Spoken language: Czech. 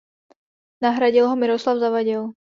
Nahradil ho Miroslav Zavadil.